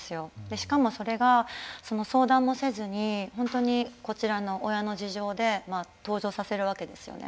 しかも、それが相談もせずにこちらの親の事情で登場させるわけですよね。